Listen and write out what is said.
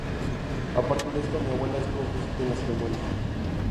A parte de esto, mi abuela estuvo presente en la ceremonia.